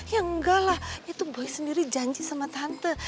ya enggak lah itu boy sendiri janji sama tante